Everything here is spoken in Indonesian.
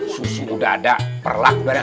susu udah ada perlak udah ada